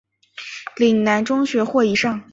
岭南中学或以上。